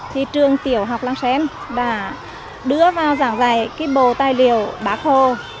thì trường tiểu học lăng xén đã đưa vào giảng dạy cái bồ tài liệu bác hồ